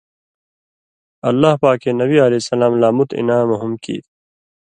اللہ پاکے نبی علیہ السلام لا مُت اِنعامہ ہُم کیریۡ؛